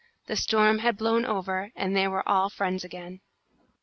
The storm had blown over, and they were all friends again.